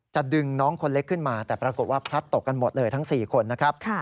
จะดึงน้องคนเล็กขึ้นมาแต่ปรากฏว่าพลัดตกกันหมดเลยทั้ง๔คนนะครับ